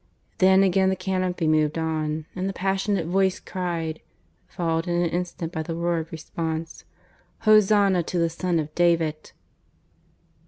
Then again the canopy moved on; and the passionate voice cried, followed in an instant by the roar of response: "_Hosanna to the son of David.